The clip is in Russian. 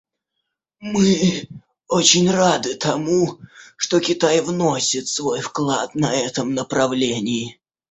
Мы очень рады тому, что Китай вносит свой вклад на этом направлении.